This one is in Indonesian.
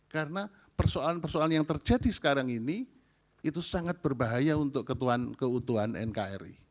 karena persoalan persoalan yang terjadi sekarang ini itu sangat berbahaya untuk keutuhan nkri